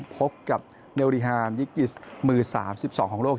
พบกับเดริฮามยิกกิสมือ๓๒ของโลก